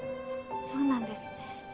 そうなんですね。